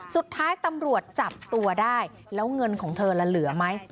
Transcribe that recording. สุดท้ายตำรวจจับตัวได้แล้วเงินของเธอละเหลือไหม